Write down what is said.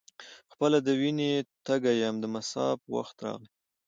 خپله د وینې تږی یم د مصاف وخت راغی.